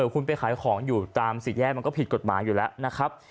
คุณไปขายของอยู่ตามสี่แยกมันก็ผิดกฎหมายอยู่แล้วนะครับ